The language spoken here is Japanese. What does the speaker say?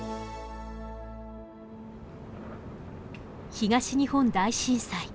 東日本大震災。